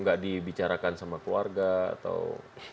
nggak dibicarakan sama keluarga atau